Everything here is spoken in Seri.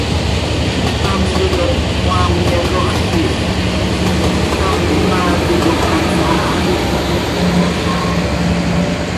Ctam ticop cmaam yacoxl quij ctam ihmaa ticop hansaa hax iiqui iyoiimoz áa.